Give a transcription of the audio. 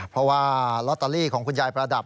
เพราะว่าลอตเตอรี่ของคุณยายประดับ